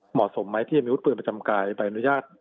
เหมาะสมไหมที่จะมีอาวุธปืนประจำกายใบอนุญาต